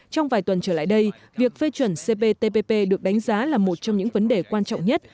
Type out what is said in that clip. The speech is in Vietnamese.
trong vài tuần trở lại đây việc phê chuẩn cptpp được đánh giá là một trong những vấn đề quan trọng nhất